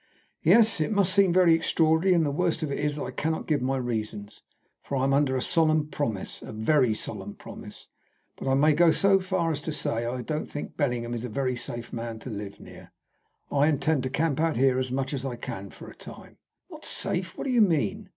"Yes; it must seem very extraordinary, and the worst of it is that I cannot give my reasons, for I am under a solemn promise a very solemn promise. But I may go so far as to say that I don't think Bellingham is a very safe man to live near. I intend to camp out here as much as I can for a time." "Not safe! What do you mean?"